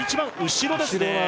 後ろなんですね